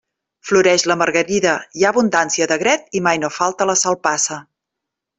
Floreix la margarida, hi ha abundància d'agret i mai no falta la salpassa.